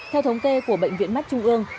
theo thống kê của bệnh viện mắt trung ương